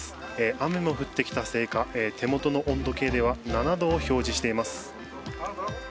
雨も降ってきたせいか手元の温度計では７度を表示しています。